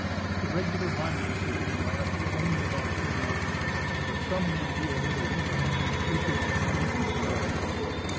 The regular mining season lasts for only about three months, but some men do a little winter mining, which is extremely laborious.